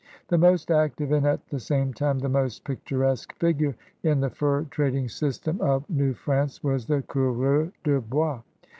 The most active and at the same time the most picturesque figure in the fur trading system of New France was the coureur de bois.